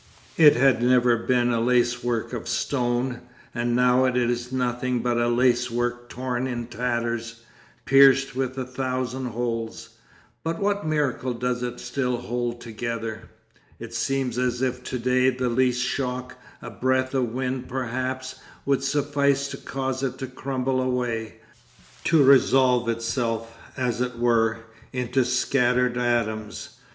It had ever been a lace work of stone, and now it is nothing but a lace work torn in tatters, pierced with a thousand holes. By what miracle does it still hold together? It seems as if to day the least shock, a breath of wind perhaps, would suffice to cause it to crumble away, to resolve itself, as it were, into scattered atoms.